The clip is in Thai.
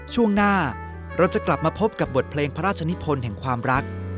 ช่วงหน้าเราจะกลับมาพบกับบทเพลงพระราชนิพลแห่งความรัก